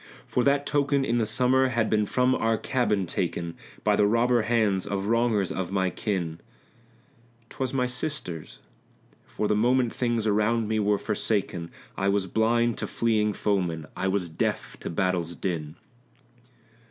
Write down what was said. For that token in the summer had been from our cabin taken By the robber hands of wrongers of my kin; 'Twas my sister's for the moment things around me were forsaken; I was blind to fleeing foemen, I was deaf to battle's din.